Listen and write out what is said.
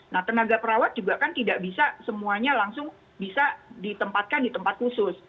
nah tenaga perawat juga kan tidak bisa semuanya langsung bisa ditempatkan di tempat khusus